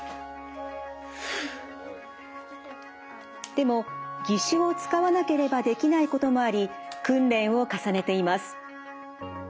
でも義手を使わなければできないこともあり訓練を重ねています。